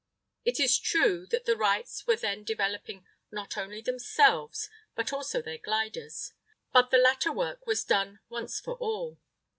It is true that the Wrights were then developing not only themselves, but also their gliders; but the latter work was done once for all.